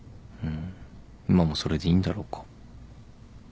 ん今もそれでいいんだろうか。